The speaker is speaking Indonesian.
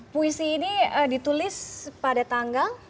puisi ini ditulis pada tanggal